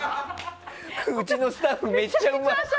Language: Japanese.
うちのスタッフめっちゃうまい。